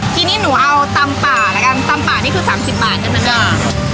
ทีนี้หนูเอาตำป่าละกันตำป่านี่คือสามสิบบาทใช่ไหมจ้ะ